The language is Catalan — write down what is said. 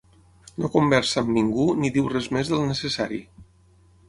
No conversa amb ningú ni diu res més del necessari.